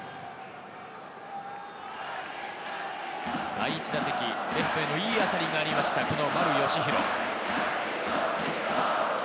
第１打席、レフトへのいい当たりがありました、丸佳浩。